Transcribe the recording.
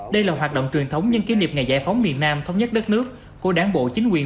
đây là hoạt động truyền thống nhân kiến liệp ngày giải phóng miền nam thống nhất đất nước của đáng bộ chính quyền